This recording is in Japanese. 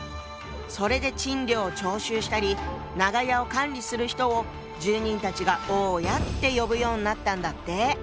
それで賃料を徴収したり長屋を管理する人を住人たちが「大家」って呼ぶようになったんだって。